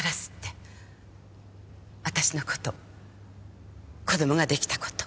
私の事子供が出来た事。